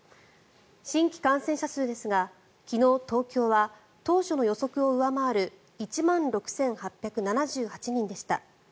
新規感染者数ですが昨日、東京は当初の予測を上回る１万６８７８人でした。